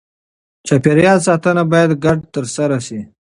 چاپېریال ساتنه باید ګډه ترسره شي.